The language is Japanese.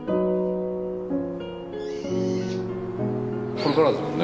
これからですもんね。